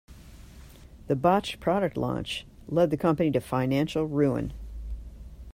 The botched product launch led the company to financial ruin.